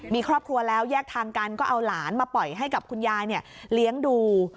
มีครอบครัวแล้วแยกทางกันก็เอาหลานมาปล่อยให้กับคุณยายเลี้ยงดู